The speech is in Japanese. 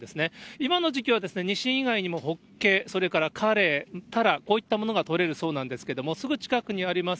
今の時期はニシン以外にも、ホッケ、それからカレイ、タラ、こういったものが取れるそうなんですけれども、すぐ近くにあります